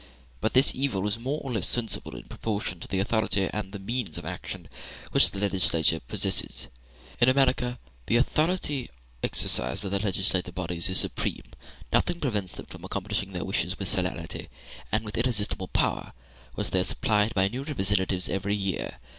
But this evil is more or less sensible in proportion to the authority and the means of action which the legislature possesses. In America the authority exercised by the legislative bodies is supreme; nothing prevents them from accomplishing their wishes with celerity, and with irresistible power, whilst they are supplied by new representatives every year.